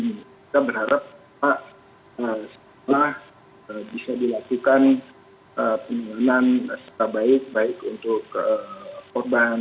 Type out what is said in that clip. dan kita berharap setelah bisa dilakukan penyelamatan secara baik baik untuk korban